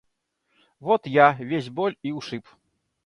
Вот – я, весь боль и ушиб.